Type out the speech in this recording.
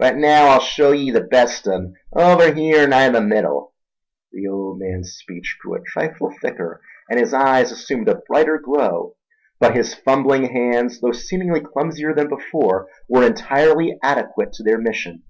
"But naow I'll shew ye the best un—over here nigh the middle—" The old man's speech grew a trifle thicker and his eyes assumed a brighter glow; but his fumbling hands, though seemingly clumsier than before, were entirely adequate to their mission.